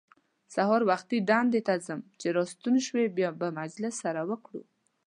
زه سهار وختي دندې ته ځم، چې راستون شوې بیا به مجلس سره وکړو.